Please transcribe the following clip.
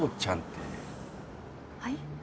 はい？